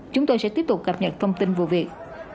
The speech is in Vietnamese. chúng tôi sẽ tiếp tục cập nhật thông tin vụ việc